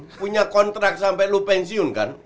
lu punya kontrak sampe lu pensiun kan